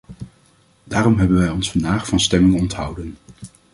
Daarom hebben wij ons vandaag van stemming onthouden.